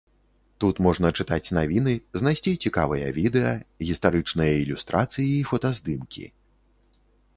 Тут можна чытаць навіны, знайсці цікавыя відэа, гістарычныя ілюстрацыі і фотаздымкі.